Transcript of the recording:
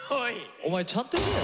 お前ちゃんとやれよ！